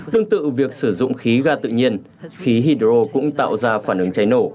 tương tự việc sử dụng khí ga tự nhiên khí hydro cũng tạo ra phản ứng cháy nổ